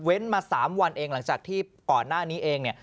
เว้นมา๓วันเองหลังจากที่ก่อนหน้านี้เอง